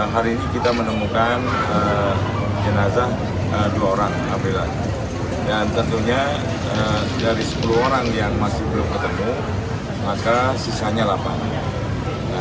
hari ini kita menemukan jenazah dua orang alhamdulillah dan tentunya dari sepuluh orang yang masih belum ketemu maka sisanya delapan